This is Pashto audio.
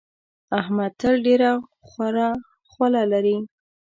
احمد تل ډېره خوره خوله لري.